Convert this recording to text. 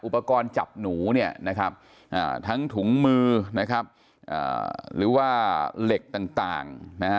อุปกรณ์จับหนูเนี่ยนะครับทั้งถุงมือนะครับหรือว่าเหล็กต่างนะฮะ